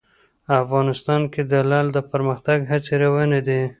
افغانستان کې د لعل د پرمختګ هڅې روانې دي.